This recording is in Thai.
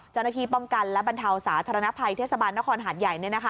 จันทรีย์ป้องกันและบรรเทาสาธารณภัยเทศบาลนครหัดใหญ่